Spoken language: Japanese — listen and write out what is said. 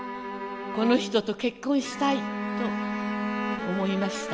「この人と結婚したいと思いました。